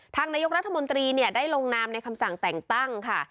ทางนายกรัฐมนตรีได้ลงนามในคำสั่งแต่งตั้งค่ะ